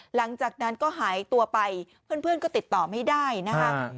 หลังจากนั้นก็หายตัวไปเพื่อนก็ติดต่อไม่ได้นะคะ